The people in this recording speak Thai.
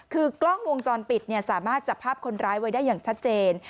คือกล้องวงจรปิดสามารถจับภาพคนร้ายไว้ได้อย่างชัดเจน